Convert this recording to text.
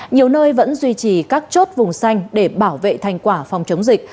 nhiều nơi vẫn duy trì các chốt vùng xanh để bảo vệ thành quả phòng chống dịch